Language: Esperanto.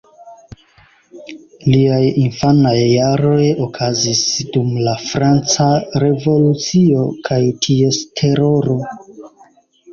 Liaj infanaj jaroj okazis dum la Franca revolucio kaj ties Teroro.